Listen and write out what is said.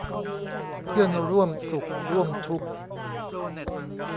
เพื่อนร่วมสุขร่วมทุกข์